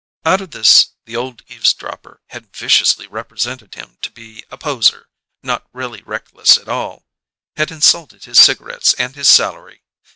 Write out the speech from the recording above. Out of this the old eavesdropper had viciously represented him to be a poser, not really reckless at all; had insulted his cigarettes and his salary.